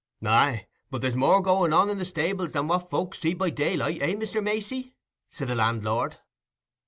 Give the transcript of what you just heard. "Aye, but there's more going on in the stables than what folks see by daylight, eh, Mr. Macey?" said the landlord.